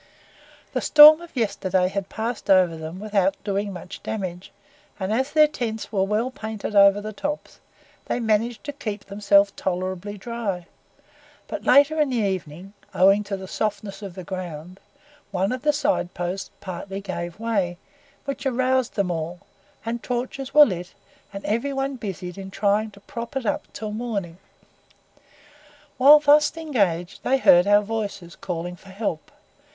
The storm of yesterday had passed over them without doing much damage, and as their tents were well painted over the tops, they managed to keep themselves tolerably dry; but later in the evening, owing to the softness of the ground, one of the side posts partly gave way, which aroused them all, and torches were lit, and every one busied in trying to prop it up till morning. Whilst thus engaged they heard our voices calling for help.